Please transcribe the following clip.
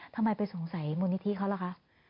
ทำไมไปสงสัยมูลนิธิเขาล่ะคะ